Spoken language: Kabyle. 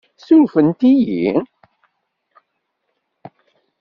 Surfent-iyi?